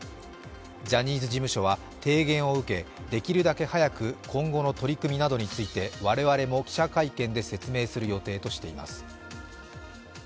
ジャニーズ事務所は提言を受け、できるだけ早く今後の取り組みなどについて我々も記者会見で説明する予定としています。